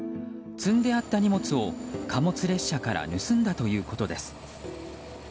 積んであった荷物を貨物列車から盗んだということです。